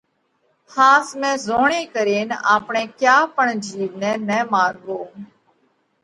ۿاس ۾ زوڻي ڪرينَ آپڻئہ ڪيا پڻ جِيوَ نئہ نہ ماروَو